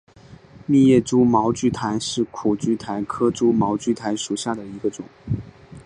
密叶蛛毛苣苔为苦苣苔科蛛毛苣苔属下的一个种。